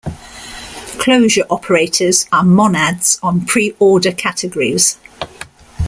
Closure operators are monads on preorder categories.